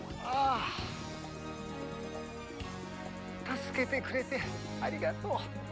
助けてくれてありがとう。